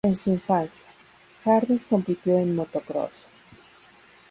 En su infancia, Jarvis compitió en motocross.